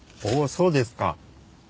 そうですか。